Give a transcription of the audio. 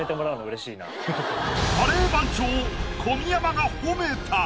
カレー番長・小宮山が褒めた！